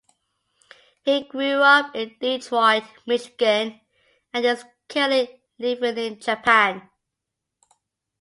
He grew up in Detroit, Michigan and is currently living in Japan.